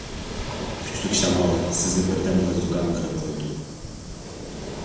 كۈچلۈك شامال سىزنى بىردەمدىلا زۇكام قىلىپ قويىدۇ.